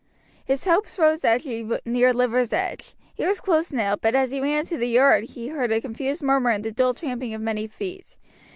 His hopes rose as he neared Liversedge. He was close now, but as he ran into the yard he heard a confused murmur and the dull tramping of many feet.